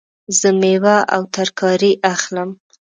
زه میوه او ترکاری اخلم